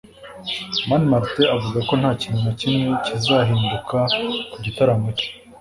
Mani Martin avuga ko nta kintu na kimwe kizahinduka ku gitaramo cye